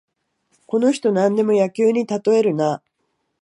この人、なんでも野球にたとえるな